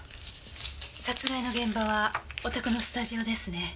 殺害の現場はお宅のスタジオですね？